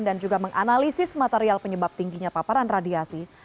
dan juga menganalisis material penyebab tingginya paparan radiasi